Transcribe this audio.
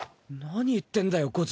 何言ってんだよ